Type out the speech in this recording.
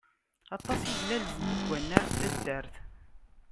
Aṭas i glalzent deg wannar n taddart.